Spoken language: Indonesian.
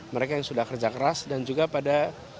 mereka yang sudah kerja keras dan juga pada